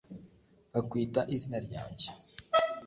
bakwita izina ryanjye